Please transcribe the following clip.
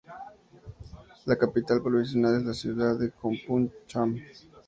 La capital provincial es la Ciudad de Kompung Cham.